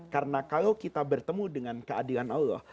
karena kalau kita bertemu dengan keadilan allah